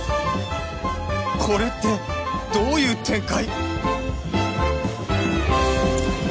これってどういう展開！？